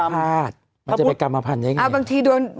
มันจะเป็นกรรมภาษมันจะเป็นกรรมภัณฑ์ยังไง